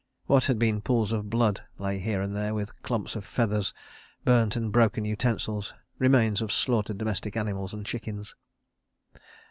What had been pools of blood lay here and there, with clumps of feathers, burnt and broken utensils, remains of slaughtered domestic animals and chickens.